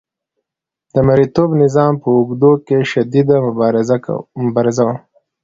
د مرئیتوب نظام په اوږدو کې شدیده مبارزه وه.